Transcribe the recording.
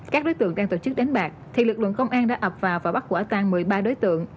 các đối tượng đang tổ chức đánh bạc thì lực lượng công an đã ập vào và bắt quả tan một mươi ba đối tượng